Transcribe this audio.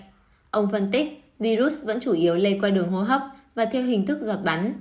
vậy ông phân tích virus vẫn chủ yếu lây qua đường hô hấp và theo hình thức giọt bắn